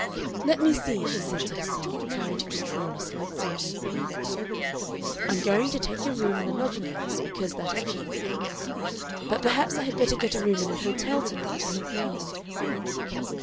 "Let me see," she said to herself, trying to control a slight sinking of the heart, "I am going to take a room in a lodging house because that is cheaper.... But perhaps I had better get a room in an hotel to night and look round....